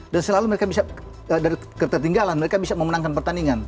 dan selalu mereka bisa dari ketertinggalan mereka bisa memenangkan pertandingan